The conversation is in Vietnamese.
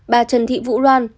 bà trần thị vũ loan